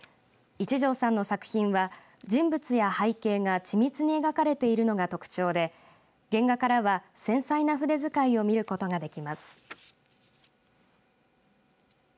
一条さんの作品は人物や背景が緻密に描かれているのが特徴で原画からは繊細な筆遣いを見ることができます。